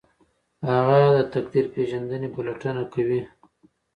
هغه د تقدیر پیژندنې پلټنه کوي.